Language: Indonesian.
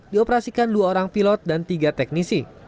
dioperasikan dua orang pilot dan tiga teknisi